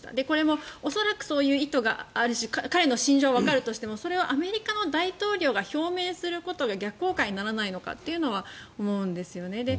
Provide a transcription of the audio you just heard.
それも恐らくそういう意図があるし彼の心情がわかるとしてもそれをアメリカの大統領が表明することが逆効果にならないのかというのは思うんですね。